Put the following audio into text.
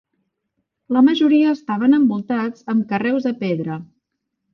La majoria estaven envoltats amb carreus de pedra.